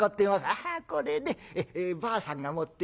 「ああこれねばあさんが持ってきた茶碗でね